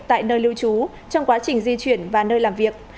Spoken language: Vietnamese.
tại nơi lưu trú trong quá trình di chuyển và nơi làm việc